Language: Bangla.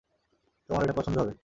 তোমার এটা পছন্দ হবে।